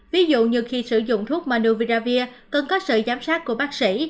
ví dụ như khi sử dụng thuốc manuviravir cần có sự giám sát của bác sĩ